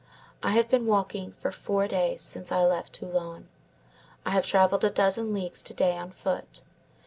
I have been walking for four days since I left Toulon. I have travelled a dozen leagues to day on foot.